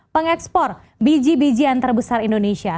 pengekspor biji biji yang terbesar indonesia